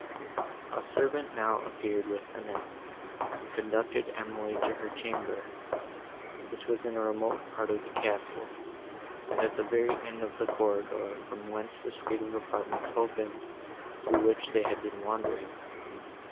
A servant now appeared with Annette, and conducted Emily to her chamber, which was in a remote part of the castle, and at the very end of the corridor, from whence the suite of apartments opened, through which they had been wandering.